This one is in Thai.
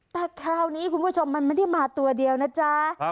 แต่คราวนี้คุณผู้ชมมันไม่ได้มาตัวเดียวนะจ๊ะ